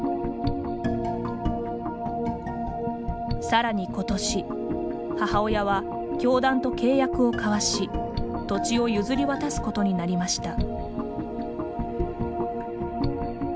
さらに今年母親は教団と契約を交わし土地を譲り渡すことになりました。